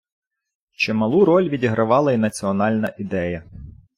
Чималу роль відігравала й національна ідея.